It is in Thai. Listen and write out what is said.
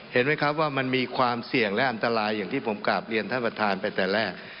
เห็นไหมครับว่ามันมีความเสี่ยงและอันตรายอย่างที่ผมกลับเรียนท่านประธานไปแต่แรก